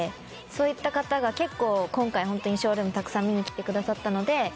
そういった方が結構今回ホントにＳＨＯＷＲＯＯＭたくさん見に来てくださったので。